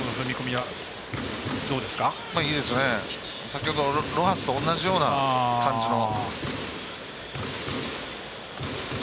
先ほどのロハスと同じような感じの。